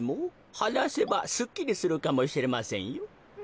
はなせばすっきりするかもしれませんよ。